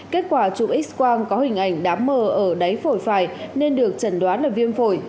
kết quả chụp x quang có hình ảnh đám mờ ở đáy phổi phải nên được chẩn đoán là viêm phổi